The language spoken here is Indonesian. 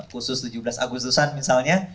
khusus tujuh belas agustusan misalnya